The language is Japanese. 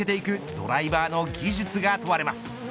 ドライバーの技術が問われます。